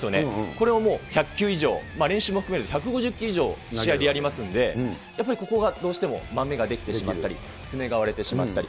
これをもう１００球以上、練習も含めると１５０球以上、試合でやりますんで、やっぱりここがどうしてもマメが出来てしまったり、爪が割れてしまったり。